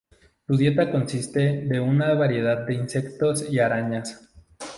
Su dieta consiste de una variedad de insectos y arañas.